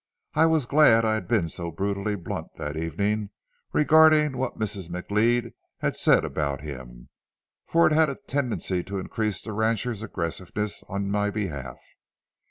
I was glad I had been so brutally blunt that evening, regarding what Mrs. McLeod had said about him; for it had a tendency to increase the rancher's aggressiveness in my behalf.